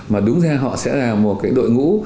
mà đúng ra họ sẽ là một đội ngũ